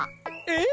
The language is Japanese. え？